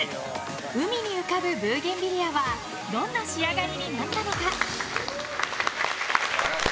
海に浮かぶブーゲンビリアはどんな仕上がりになったのか。